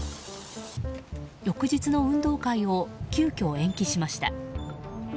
翌日の運動会を急きょ、延期しました。